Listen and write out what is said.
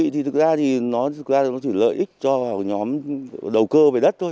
thực ra nó chỉ lợi ích cho nhóm đầu cơ về đất thôi